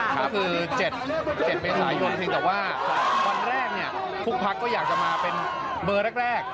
ครับคือ๗เบสายนแต่ว่าวันแรกเนี่ยทุกพักก็อยากจะมาเป็นเบอร์แรก